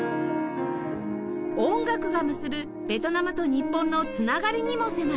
音楽が結ぶベトナムと日本の繋がりにも迫ります